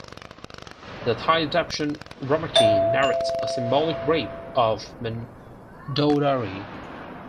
The Thai adaptation "Ramakien" narrates a symbolic rape of Mandodari.